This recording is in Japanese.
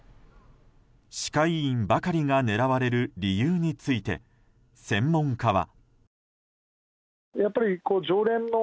歯科医院ばかりが狙われる理由について専門家は。